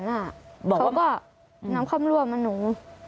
เขาก็นำความรั่วมาหนู